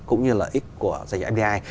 cũng như lợi ích của doanh nghiệp fbi